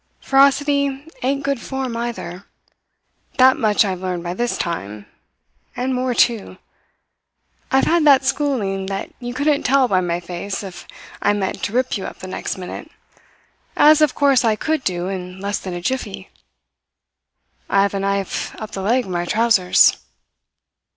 Ferocity ain't good form, either that much I've learned by this time, and more, too. I've had that schooling that you couldn't tell by my face if I meant to rip you up the next minute as of course I could do in less than a jiffy. I have a knife up the leg of my trousers."